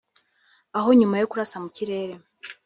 aho nyuma yo kurasa mu kirere